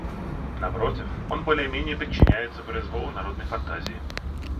Напротив, он более или менее подчиняется произволу народной фантазии.